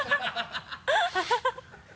ハハハ